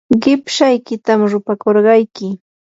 qipshaykitam rupakurqayki.